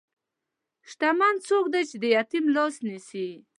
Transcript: شتمن څوک دی چې د یتیم لاس نیسي.